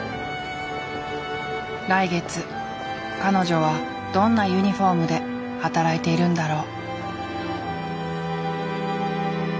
来月彼女はどんなユニフォームで働いているんだろう。